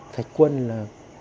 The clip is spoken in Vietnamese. thạch quân là